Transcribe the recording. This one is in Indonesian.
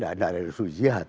nu nya tidak ada resolusi jihad